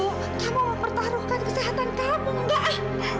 kamu mau pertaruhkan kesehatan kamu enggak